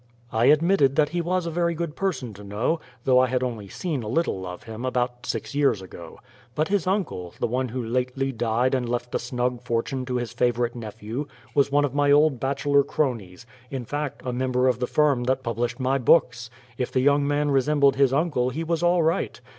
I admitted that he was a very good person to know, though I had only seen a little of him, about six years ago. But his uncle, the one who lately died and left a snug fortune to his favorite nephew, was one of my old bachelor cronies, in fact, a member of the firm that published my books. If the young man resembled his uncle he was all right.